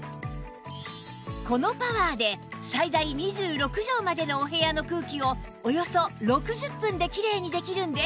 このパワーで最大２６畳までのお部屋の空気をおよそ６０分できれいにできるんです